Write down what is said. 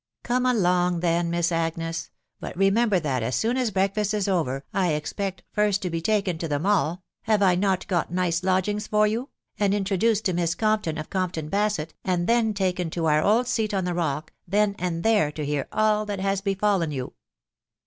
Come along, then, Miss Agnes; but remember that, as soon as breakfast is over, I expect, first to be taken to the Mall (have I not got nice lodgings for you ?) and introduced to Miss Compton, of Compton Basett, and then taken to our old seat on the rock, then and there to hear all that has befallen you."